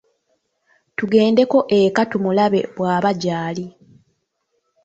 Tugendeko eka tumulabe bw’aba gy’ali.